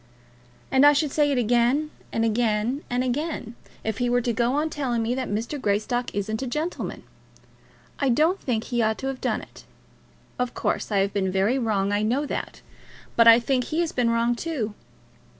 "And I should say it again and again and again, if he were to go on telling me that Mr. Greystock isn't a gentleman. I don't think he ought to have done it. Of course, I have been very wrong; I know that. But I think he has been wrong too.